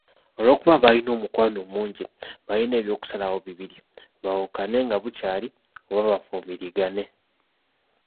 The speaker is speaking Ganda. Olw'okuba baalina omukwano mungi baalina eby'okusalawo bibiri; baawukane nga bukyali oba bafumbirigane.